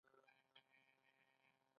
د مفصلونو د روغتیا لپاره باید څه وکړم؟